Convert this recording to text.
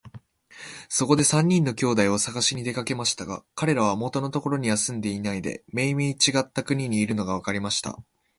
そこで三人の兄弟をさがしに出かけましたが、かれらは元のところには住んでいないで、めいめいちがった国にいるのがわかりました。